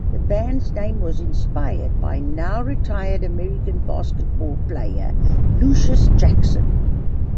The band's name was inspired by now-retired American basketball player Lucious Jackson.